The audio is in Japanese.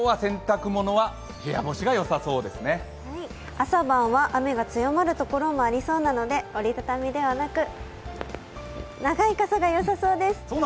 朝晩は雨が強まるところも多そうなので折り畳みではなくて、長い傘がよさそうです。